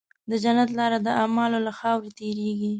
د جنت لاره د اعمالو له خاورې تېرېږي.